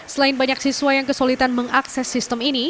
selain banyak siswa yang kesulitan mengakses sistem ini